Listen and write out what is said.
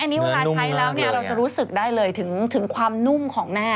อันนี้เวลาใช้แล้วเนี่ยเราจะรู้สึกได้เลยถึงความนุ่มของหน้า